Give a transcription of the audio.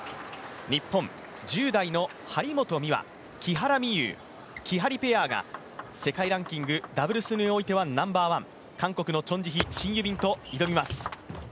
日本、１０代の張本美和、木原美悠きはりペアが、世界ランキングダブルスにおいてはナンバーワン韓国のチョン・ジヒシン・ユビンと挑みます。